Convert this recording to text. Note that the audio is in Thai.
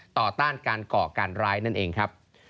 ต้านการก่อการร้ายนั่นเองครับ